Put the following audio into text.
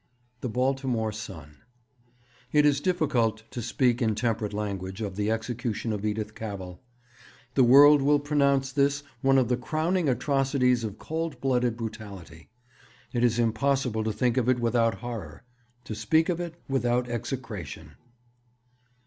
The Baltimore Sun. 'It is difficult to speak in temperate language of the execution of Edith Cavell. ... The world will pronounce this one of the crowning atrocities of cold blooded brutality. It is impossible to think of it without horror, to speak of it without execration.'